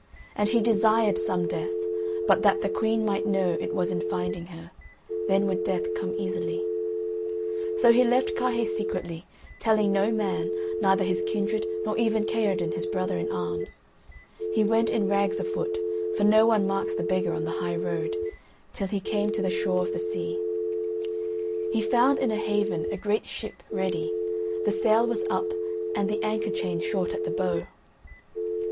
And he desired some death, but that the Queen might know it was in finding her; then would death come easily. So he left Carhaix secretly, telling no man, neither his kindred nor even Kaherdin, his brother in arms. He went in rags afoot (for no one marks the beggar on the high road) till he came to the shore of the sea. He found in a haven a great ship ready, the sail was up and the anchor chain short at the bow.